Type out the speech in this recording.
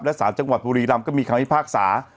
และสารจังหวัดบุรีรำก็มีคำพิพากษา